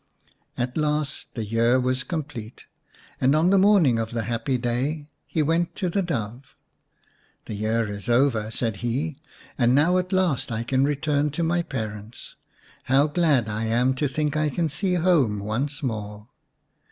At last the year was complete, and on the morning of the happy day he went to the Dove. " The year is over," said he, " and now at last I can return to my parents. How glad I am to think I can see home once more